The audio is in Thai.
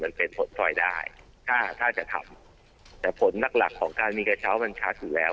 มันเป็นผลพลอยได้ถ้าถ้าจะทำแต่ผลหลักหลักของการมีกระเช้ามันชัดอยู่แล้ว